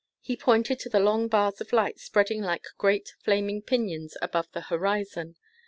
He pointed to the long bars of light spreading like great flaming pinions above the horizon.